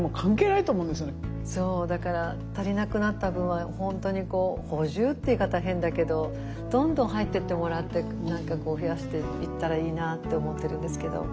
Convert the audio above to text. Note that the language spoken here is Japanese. だから足りなくなった分は本当に補充っていう言い方は変だけどどんどん入ってってもらって何かこう増やしていったらいいなって思ってるんですけど。